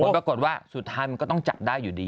ปรากฏว่าสุดท้ายมันก็ต้องจับได้อยู่ดี